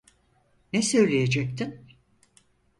Ne söyleyecektin?